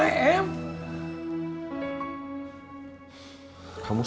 kau sendiri pinginnya gimana